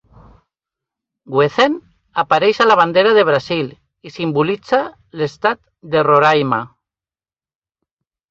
Wezen apareix a la bandera de Brasil i simbolitza l'estat de Roraima.